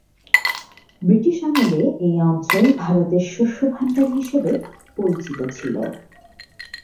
British আমলে এই অঞ্চল ভারতের শস্য ভাণ্ডার হিসাবে পরিচিত ছিল।